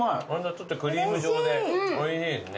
ちょっとクリーム状でおいしいですね。